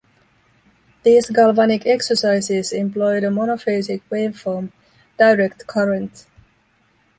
These galvanic exercises employed a monophasic wave form, direct current.